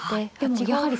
はい。